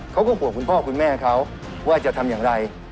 เขาก็ห่วงคุณพ่อคุณแม่เขาว่าจะทำอย่างไร